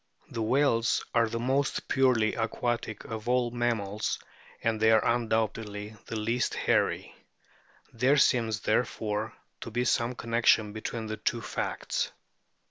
The whales are the most purely aquatic of all mammals, and they are undoubtedly the least hairy ; there seems, therefore, to be some connection between the two facts.